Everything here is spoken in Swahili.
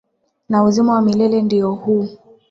Na uzima wa milele ndio huu